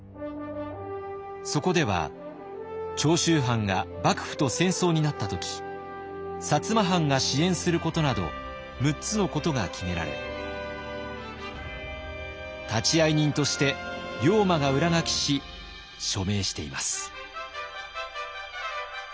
そこでは長州藩が幕府と戦争になった時摩藩が支援することなど６つのことが決められ立ち会い人として龍馬が裏書きし署名しています。